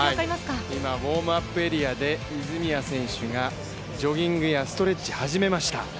今、ウォームアップエリアで泉谷選手がジョギングやストレッチ、始めました。